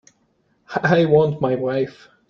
I want my wife.